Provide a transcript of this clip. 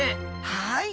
はい。